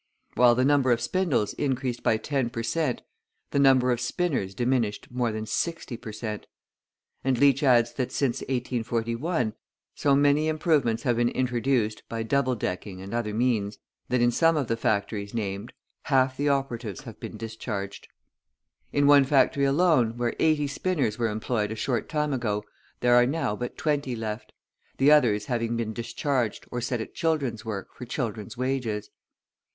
While the number of spindles increased by 10 per cent., the number of spinners diminished more than 60 per cent. And Leach adds that since 1841, so many improvements have been introduced by double decking and other means, that in some of the factories named, half the operatives have been discharged. In one factory alone, where eighty spinners were employed a short time ago, there are now but twenty left; the others having been discharged or set at children's work for children's wages.